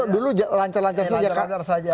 dulu lancar lancar saja